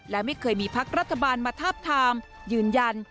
และไม่เคยมีพักรัฐบาลมาทาบทามยืนยัน